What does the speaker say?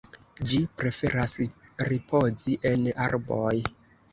Ĝi preferas ripozi en arboj.